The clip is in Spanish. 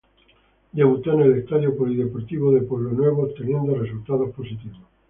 Debutó en el estadio Polideportivo de Pueblo Nuevo obteniendo resultados positivos.